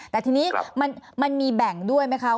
แต่ทีนี้มันมีแบ่งด้วยไหมคะ